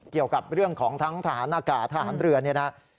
เกี่ยวกับเรื่องของทางฐานกาศทางฐานเรือน